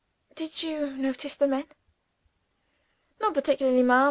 "Did you notice the men?" "Not particularly, ma'am.